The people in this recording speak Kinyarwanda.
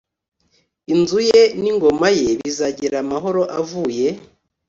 inzu ye n ingoma ye bizagira amahoro avuye